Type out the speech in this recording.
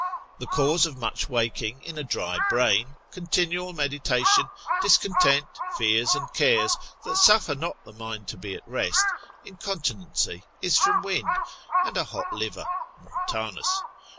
The cause of much waking in a dry brain, continual meditation, discontent, fears and cares, that suffer not the mind to be at rest, incontinency is from wind, and a hot liver, Montanus, cons.